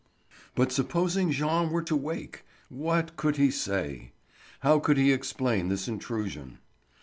But supposing Jean were to wake, what could he say? How could he explain this intrusion?